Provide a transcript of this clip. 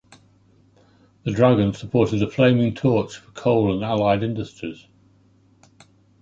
The dragon supported a flaming torch for coal and allied industries.